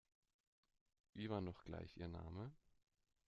Wie war noch gleich Ihr Name?